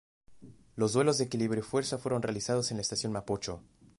Los duelos de equilibrio y fuerza fueron realizados en la Estación Mapocho.